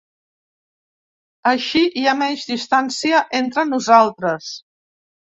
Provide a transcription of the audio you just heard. Així hi ha menys distància entre nosaltres.